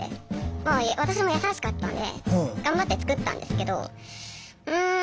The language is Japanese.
まあ私も優しかったんで頑張って作ったんですけど。